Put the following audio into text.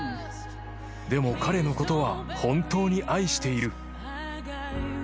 ［でも彼のことは本当に愛している］